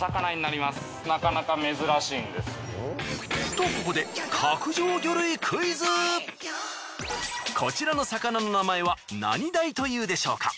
とここでこちらの魚の名前は何ダイというでしょうか？